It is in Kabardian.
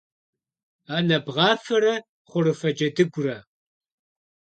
Анэ бгъафэрэ хъурыфэ джэдыгурэ.